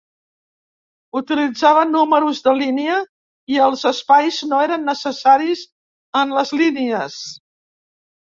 Utilitzava números de línia, i els espais no eren necessaris en les línies.